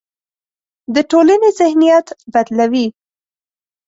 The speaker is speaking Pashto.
د ټولنې ذهنیت بدلوي.